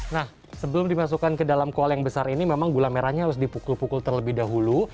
nah sebelum dimasukkan ke dalam kual yang besar ini memang gula merahnya harus dipukul pukul terlebih dahulu